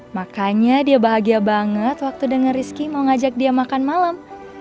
makanya dia bahagia banget waktu denger rizky mau ngajak dia makan malam